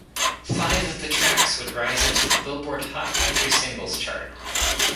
Five of the tracks would rise into the Billboard Hot Country Singles chart.